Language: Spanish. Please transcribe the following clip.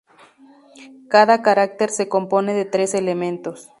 Cada carácter se compone de tres elementos.